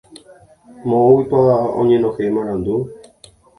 Moõguipa oñenohẽ marandu.